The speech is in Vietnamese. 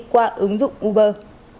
qua ứng dụng uber